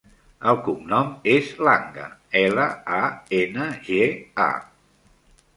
El cognom és Langa: ela, a, ena, ge, a.